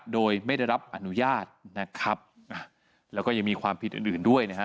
โดยไม่ได้รับอนุญาตนะครับแล้วก็ยังมีความผิดอื่นอื่นด้วยนะฮะ